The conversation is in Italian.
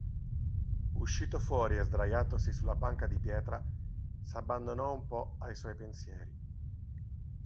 Uscito fuori e sdraiatosi sulla panca di pietra, s'abbandonò un po' ai suoi pensieri.